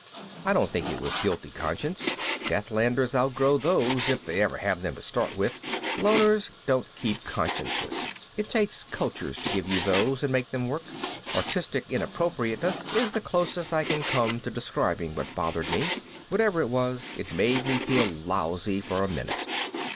I don't think it was guilty conscience. Deathlanders outgrow those if they ever have them to start with; loners don't keep consciences it takes cultures to give you those and make them work. Artistic inappropriateness is the closest I can come to describing what bothered me. Whatever it was, it made me feel lousy for a minute.